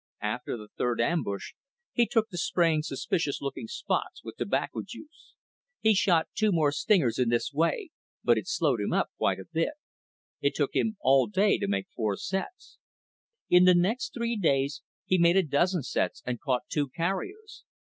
After the third ambush, he took to spraying suspicious looking spots with tobacco juice. He shot two more stingers in this way, but it slowed him up quite a bit. It took him all day to make four sets. In the next three days he made a dozen sets and caught two carriers.